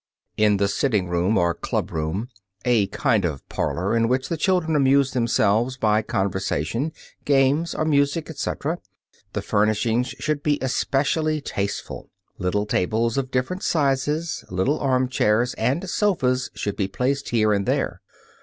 In the sitting room, or "club room," a kind of parlor in which the children amuse themselves by conversation, games, or music, etc., the furnishings should be especially tasteful. Little tables of different sizes, little armchairs and sofas should be placed here and there.